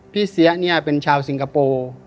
เสียเนี่ยเป็นชาวสิงคโปร์